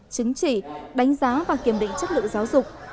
chứng chỉ đánh giá và kiểm định chất lượng giáo dục